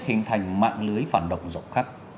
hình thành mạng lưới phản động rộng khắc